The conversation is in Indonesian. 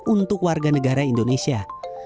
untuk warga negara indonesia